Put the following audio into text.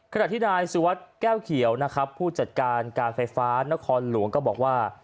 ขณะที่นายสุวัสดิ์แก้วเขียวนะครับผู้จัดการการไฟฟ้านครหลวงก็บอกว่า